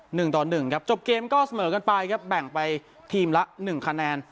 หนึ่งต่อหนึ่งครับจบเกมก็เสมอกันไปครับแบ่งไปทีมละหนึ่งคะแนน